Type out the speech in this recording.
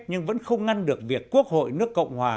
nhưng vẫn không ngăn được việc quốc hội nước cộng hòa